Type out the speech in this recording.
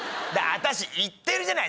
私言ってるじゃない！